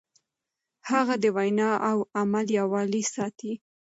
هغه د وينا او عمل يووالی ساته.